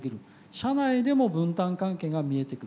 社内でも分担関係が見えてくる。